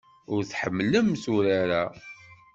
Ur tḥemmlemt urar-a.